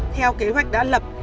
theo kế hoạch đã lập